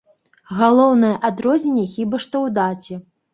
Галоўнае адрозненне хіба што ў даце.